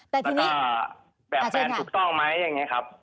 แล้วก็แบบแบนถูกต้องไหมอย่างนี้ครับ